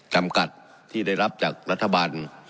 จำกัดที่ได้รับจากรัฐบาล